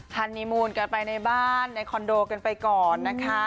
ฮันนีมูลกันไปในบ้านในคอนโดกันไปก่อนนะคะ